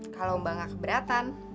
kalo mbak gak keberatan